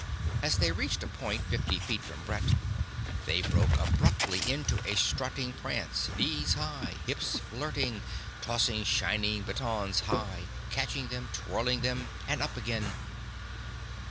As they reached a point fifty feet from Brett, they broke abruptly into a strutting prance, knees high, hips flirting, tossing shining batons high, catching them, twirling them, and up again